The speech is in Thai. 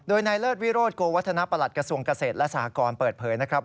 โดยนายเลิศวิโรธโกวัฒนประหลัดกระทรวงเกษตรและสหกรเปิดเผยนะครับ